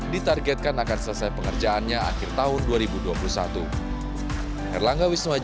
ditargetkan akan selesai pengerjaannya akhir tahun dua ribu dua puluh satu